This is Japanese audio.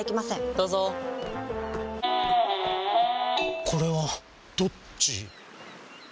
どうぞこれはどっち？